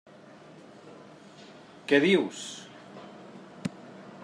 Què dius!